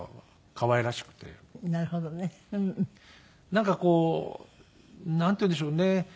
なんかこうなんていうんでしょうね。